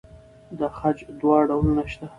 د خج دوه ډولونه شته.